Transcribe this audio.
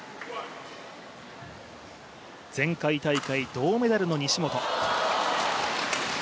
前回大会銅メダルの西本。